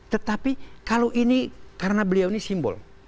tetapi kalau ini karena beliau ini simbol